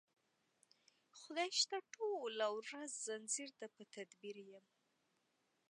خدای شته ټوله ورځ ځنځیر ته په تدبیر یم